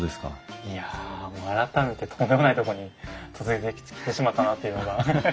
いや改めてとんでもないとこに嫁いできてしまったなというのが。